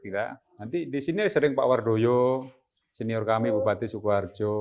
nanti disini sering pak wardoyo senior kami bupati sukuharjo